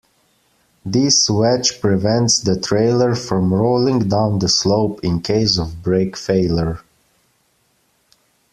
This wedge prevents the trailer from rolling down the slope in case of brake failure.